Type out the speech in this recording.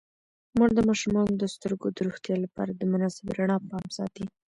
مور د ماشومانو د سترګو د روغتیا لپاره د مناسب رڼا پام ساتي.